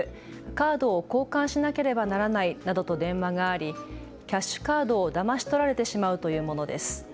カードを交換しなければならないなどと電話がありキャッシュカードをだまし取られてしまうというものです。